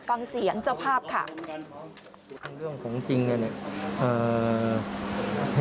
ฟังเสียงเจ้าภาพค่ะ